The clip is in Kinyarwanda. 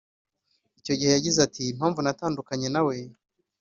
Icyo gihe yagize ati “Impamvu natandukanye na we